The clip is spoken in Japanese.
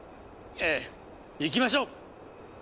ええ行きましょう！